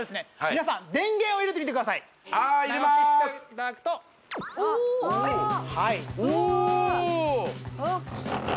皆さん電源を入れてみてください入れまーすおおおお！